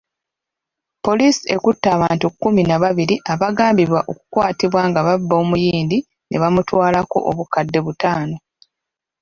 Poliisi ekutte abantu kkumi na babiri abagambibwa okukwatibwa nga babba omuyindi ne bamutwalako obukadde butaano.